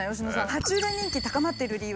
は虫類人気高まっている理由